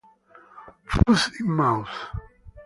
Foot in Mouth